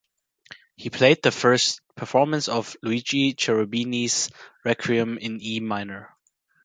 He played the first performance of Luigi Cherubini's "Requiem" in E minor.